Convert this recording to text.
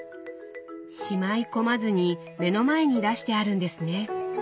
しまい込まずに目の前に出してあるんですね。